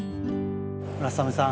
村雨さん